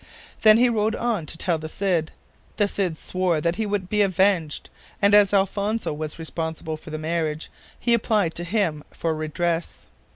Then he rode on to tell the Cid. The Cid swore that he would be avenged, and as Alfonso was responsible for the marriage, he applied to him for redress.